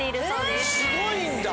すごいんだ。